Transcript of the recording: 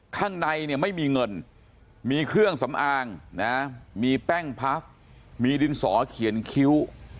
ข้างในเนี่ยไม่มีเงินมีเครื่องสำอางนะมีแป้งพับมีดินสอเขียนคิ้ว